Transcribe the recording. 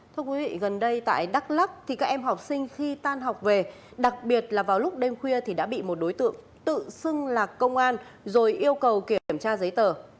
thưa quý vị gần đây tại đắk lắc thì các em học sinh khi tan học về đặc biệt là vào lúc đêm khuya thì đã bị một đối tượng tự xưng lạc công an rồi yêu cầu kiểm tra giấy tờ